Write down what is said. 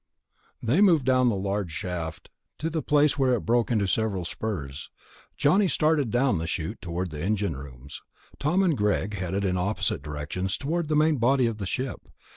They moved down the large shaft to the place where it broke into several spurs. Johnny started down the chute toward the engine rooms; Tom and Greg headed in opposite directions toward the main body of the ship.